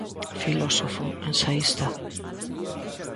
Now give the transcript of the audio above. Filósofo, ensaísta.